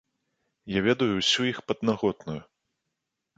Я ведаю ўсю іх паднаготную.